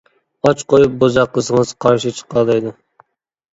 ئاچ قويۇپ بوزەك قىلسىڭىز قارشى چىقالايدۇ.